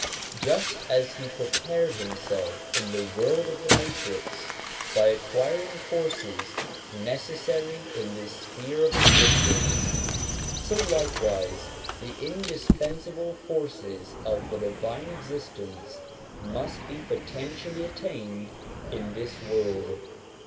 Just as he prepared himself in the world of the matrix by acquiring forces necessary in this sphere of existence, so likewise the indispensable forces of the divine existence must be potentially attained in this world.